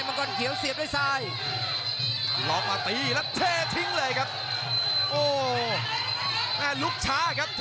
โอ้โอ้วโหเติ๊ดวางดียูบังค์ฐ